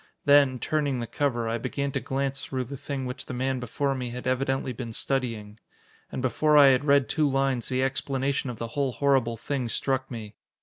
Then, turning the cover, I began to glance through the thing which the man before me had evidently been studying. And before I had read two lines, the explanation of the whole horrible thing struck me.